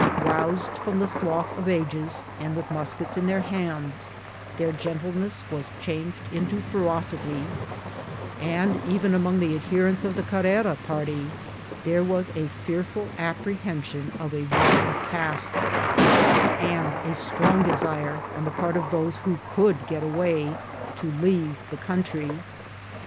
Roused from the sloth of ages, and with muskets in their hands, their gentleness was changed into ferocity ; and even among the adherents of the Carrera party there was a fearful apprehension of a war of castes, and a strong desire, on the part of those who could get away, to leave the coun try.